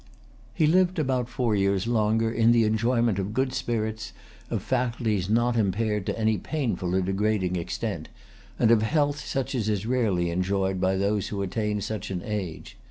He lived about four years longer, in the enjoyment of good spirits, of faculties not impaired to any painful or degrading extent, and of health such as is rarely enjoyed by those who attain such an age.